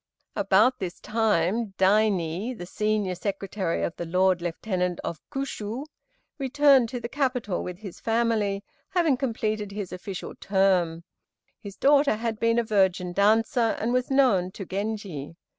About this time Daini (the senior Secretary of the Lord Lieutenant of Kiûsiû) returned to the capital with his family, having completed his official term. His daughter had been a virgin dancer, and was known to Genji.